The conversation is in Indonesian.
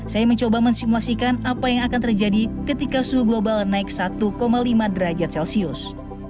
saya mencoba mensimulasikan apa yang akan terjadi ketika suhu global naik satu lima derajat celcius